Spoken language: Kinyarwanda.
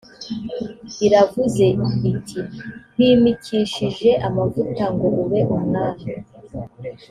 iravuze iti nkwimikishije amavuta ngo ube umwami